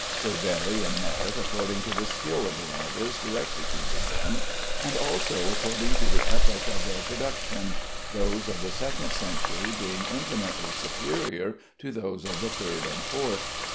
They vary in merit according to the skill of the artist who executed them, and also according to the epoch of their production, those of the second century being infinitely superior to those of the third and fourth.